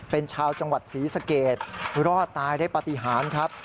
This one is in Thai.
เป็นชาวจังหวัดศรีสะเกดรอดตายได้ปฏิหารครับ